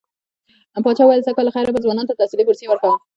پاچا وويل سږ کال له خيره به ځوانانو ته تحصيلي بورسيې ورکړم.